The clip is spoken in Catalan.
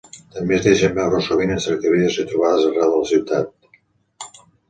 També es deixen veure sovint en cercaviles i trobades arreu de la ciutat.